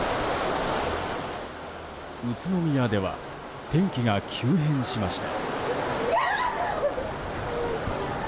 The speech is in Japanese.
宇都宮では天気が急変しました。